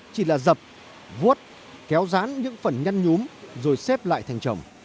chỉ là dập vuốt kéo dán những phần nhăn nhúm rồi xếp lại thành trồng